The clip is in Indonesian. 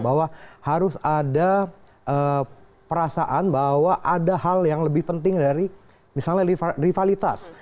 bahwa harus ada perasaan bahwa ada hal yang lebih penting dari misalnya rivalitas